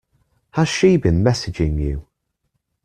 Has she been messaging you?